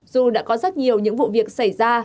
dù đã có rất nhiều những vụ việc xảy ra